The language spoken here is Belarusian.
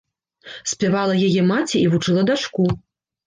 Спявала яе маці і вучыла дачку.